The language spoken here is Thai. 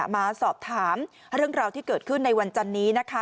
มาสอบถามเรื่องราวที่เกิดขึ้นในวันจันนี้นะคะ